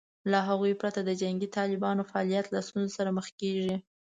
له هغوی پرته د جنګي طالبانو فعالیت له ستونزې سره مخ کېږي